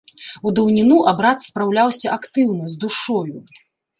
У даўніну абрад спраўляўся актыўна, з душою.